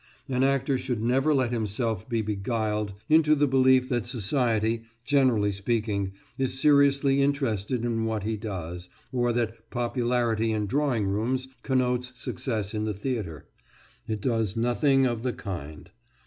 An actor should never let himself be beguiled into the belief that society, generally speaking, is seriously interested in what he does, or that popularity in drawing rooms connotes success in the theatre. It does nothing of the kind.